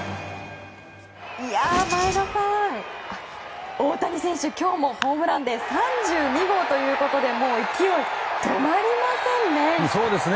前田さん、大谷選手ホームランで３２号ということでもう、勢い止まりませんね！